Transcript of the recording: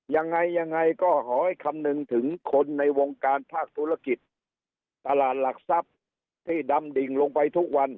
ยังไงยังไงก็ขอให้คำนึงถึงคนในวงการภาคธุรกิจตลาดหลักทรัพย์ที่ดำดิ่งลงไปทุกวัน